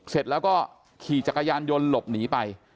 เสร็จแล้วก็ขี่จักรยานยนต์หลบหนีไป